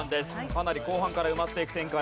かなり後半から埋まっていく展開。